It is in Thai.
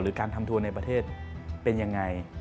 การทำทัวร์ในประเทศเป็นยังไง